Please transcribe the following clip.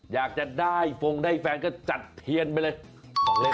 อยากจะได้ฟงได้แฟนก็จัดเทียนไปเลย